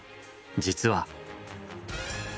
実は。